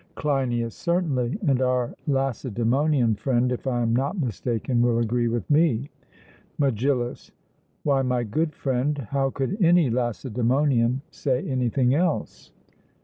CLEINIAS: Certainly; and our Lacedaemonian friend, if I am not mistaken, will agree with me. MEGILLUS: Why, my good friend, how could any Lacedaemonian say anything else?